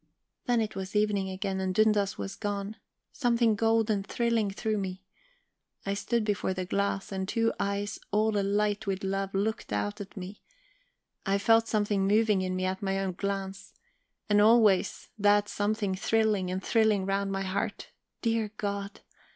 "Then it was evening again, and Dundas was gone. Something golden thrilling through me. I stood before the glass, and two eyes all alight with love looked out at me; I felt something moving in me at my own glance, and always that something thrilling and thrilling round my heart. Dear God!